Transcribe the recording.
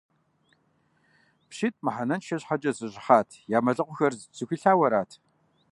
ПщитӀ мыхьэнэншэ щхьэкӀэ зэщыхьат: я мэлыхъуэхэр зэхуилъауэ арат.